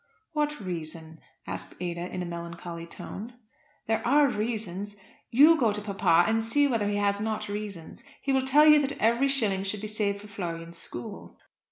"What reason?" asked Ada, in a melancholy tone. "There are reasons. You go to papa, and see whether he has not reasons. He will tell you that every shilling should be saved for Florian's school."